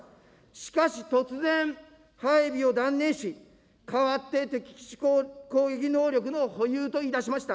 しかし、突然、配備を断念し、かわって敵基地攻撃能力の保有と言いだしました。